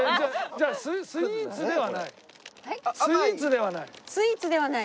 じゃあスイーツではない？